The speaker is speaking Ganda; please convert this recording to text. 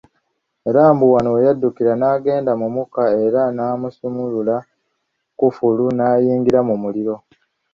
Era mbu wano we yaddukira n’agenda mu mukka era n’asumulula kkufulu n’ayingira mu muliro.